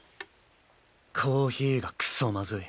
コーヒーがクソまずい。